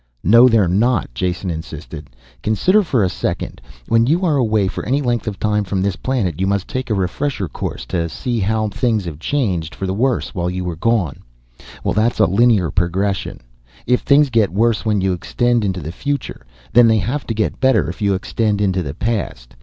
"No, they're not," Jason insisted. "Consider for a second. When you are away for any length of time from this planet, you must take a refresher course. To see how things have changed for the worse while you were gone. Well, that's a linear progression. If things get worse when you extend into the future, then they have to get better if you extend into the past.